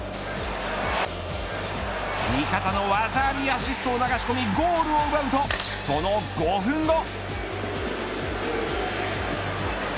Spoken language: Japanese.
味方の技ありアシストを流し込みゴールを奪うとその５分後。